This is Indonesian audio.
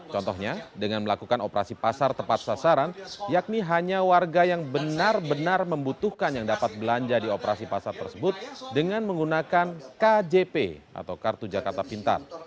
contohnya dengan melakukan operasi pasar tepat sasaran yakni hanya warga yang benar benar membutuhkan yang dapat belanja di operasi pasar tersebut dengan menggunakan kjp atau kartu jakarta pintar